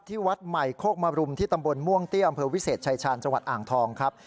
วัดใหม่โคกมรุมที่ตำบลม่วงเตี้ยอำเภอวิเศษชายชาญจังหวัดอ่างทองครับ